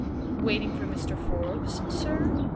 "Waiting for Mr. Forbes, sir?"